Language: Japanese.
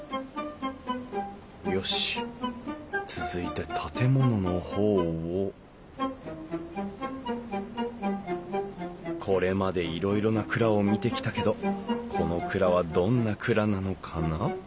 よし続いて建物の方をこれまでいろいろな蔵を見てきたけどこの蔵はどんな蔵なのかな？